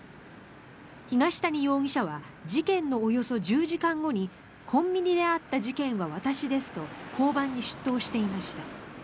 東谷容疑者は事件のおよそ１０時間後にコンビニであった事件は私ですと交番に出頭していました。